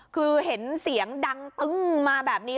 คือเห็นเสียงดังตึ้งมาแบบนี้